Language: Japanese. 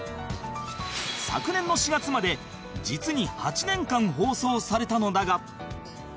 昨年の４月まで実に８年間放送されたのだが